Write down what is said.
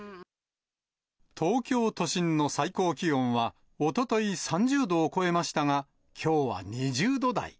東京都心の最高気温はおととい、３０度を超えましたが、きょうは２０度台。